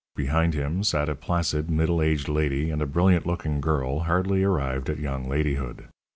Behind him sat a placid, middle aged lady and a brilliant looking girl hardly arrived at young ladyhood.